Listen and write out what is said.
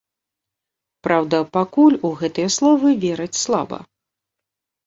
Праўда, пакуль у гэтыя словы вераць слаба.